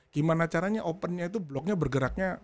gimana caranya opennya itu bloknya bergeraknya